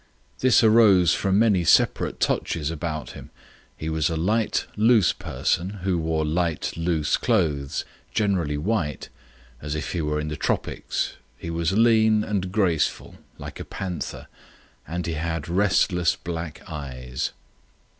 This arose from many separate touches about him. He was a light, loose person, who wore light, loose clothes, generally white, as if he were in the tropics; he was lean and graceful, like a panther, and he had restless black eyes.